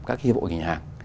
các cái hiệp hội nghề hàng